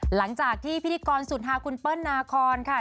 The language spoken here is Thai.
หลังจากที่พิธีกรสุดฮาคุณเปิ้ลนาคอนค่ะ